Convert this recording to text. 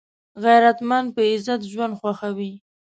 غیرتمند په عزت ژوند خوښوي